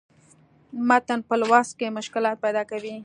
متن پۀ لوست کښې مشکلات پېدا کوي